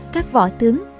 các võ tướng